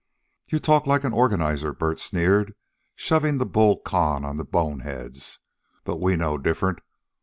"You talk like an organizer," Bert sneered, "shovin' the bull con on the boneheads. But we know different.